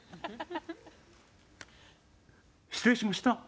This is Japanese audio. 失礼しました。